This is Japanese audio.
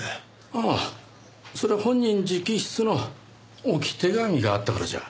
ああそれは本人直筆の置き手紙があったからじゃ。